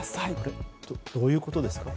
どういうことですか？